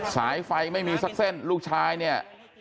สายไฟไม่มีสักเส้นลูกชายเนี่ย